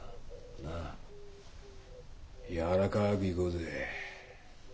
なあやわらかくいこうぜ。